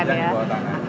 yang di bawah tanah